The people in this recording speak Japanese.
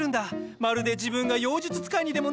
まるで自分が妖術使いにでもなった気分だよ。